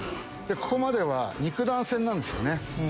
ここまでは肉弾戦なんですよね。